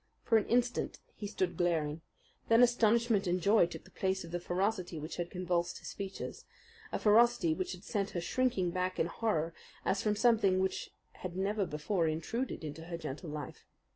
For an instant he stood glaring. Then astonishment and joy took the place of the ferocity which had convulsed his features a ferocity which had sent her shrinking back in horror as from something which had never before intruded into her gentle life.